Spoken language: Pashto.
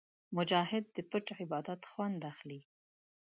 مجاهد د پټ عبادت خوند اخلي.